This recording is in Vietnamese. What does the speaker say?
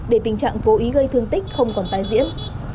để tình trạng cố ý gây tội phạm